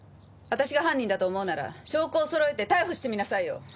私が犯人だと思うなら証拠をそろえて逮捕してみなさいよ！